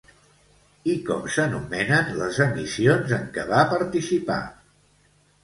I com s'anomenen les emissions en què va participar?